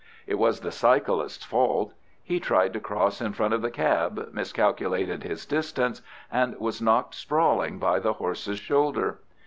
It was the cyclist's fault. He tried to cross in front of the cab, miscalculated his distance, and was knocked sprawling by the horse's shoulder.